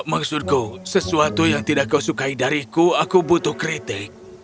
maksudku sesuatu yang tidak kau sukai dariku aku butuh kritik